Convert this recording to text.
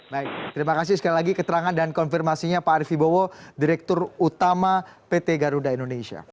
baik terima kasih sekali lagi keterangan dan konfirmasinya pak arief ibowo direktur utama pt garuda indonesia